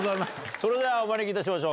それではお招きいたしましょう。